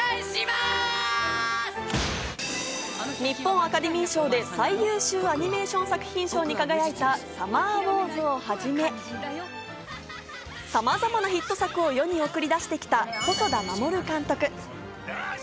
日本アカデミー賞で最優秀アニメーション作品賞に輝いた『サマーウォーズ』をはじめ、さまざまなヒット作を世に送り出してきた細田守監督。